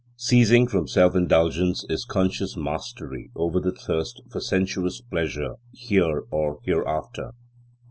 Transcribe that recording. Ceasing from self indulgence is conscious mastery over the thirst for sensuous pleasure here or hereafter.